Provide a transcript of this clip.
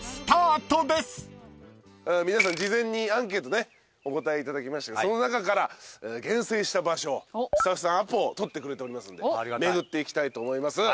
皆さん事前にアンケートお答えいただきましてその中から厳選した場所スタッフさんアポ取ってくれておりますんで巡っていきたいと思います。